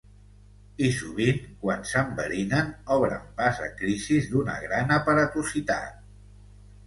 I sovint, quan s’enverinen, obren pas a crisis d’una gran aparatositat.